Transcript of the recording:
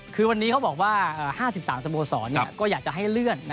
คือวันนี้เขาบอกว่า๕๓สโมสรก็อยากจะให้เลื่อน